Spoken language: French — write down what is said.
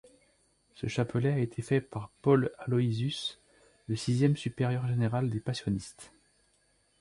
Ce chapelet a été fait par Paul Aloysius, le sixième supérieur général des passionistes.